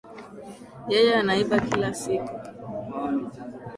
Yeye anaiba kila siku